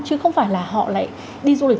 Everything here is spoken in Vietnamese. chứ không phải là họ lại đi du lịch